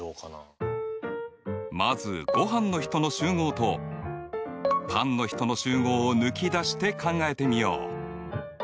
まずごはんの人の集合とパンの人の集合を抜き出して考えてみよう。